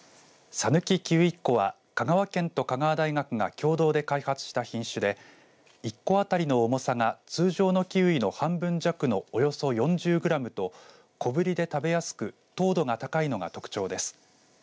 さぬきキウイっこは香川県と香川大学が共同で開発した品種で１個当たりの重さが通常のキウイの半分弱のおよそ４０グラムと小ぶりで食べやすく糖度が高いのが特徴です。